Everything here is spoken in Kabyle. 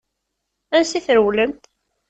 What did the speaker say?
Ansa i trewlemt?